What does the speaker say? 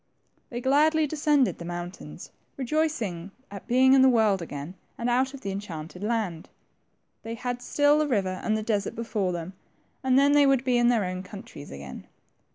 They gladly descended the mountains, rejoicing at being in the world again, and out of the enchanted land. They had still the river and the desert before them, and then they would be in their own countries again.